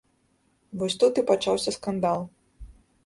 Вось тут і пачаўся скандал.